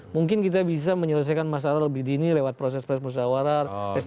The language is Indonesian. mungkin kita bisa menyelesaikan masalah lebih dini lewat proses proses perusahaan warah restoratif jati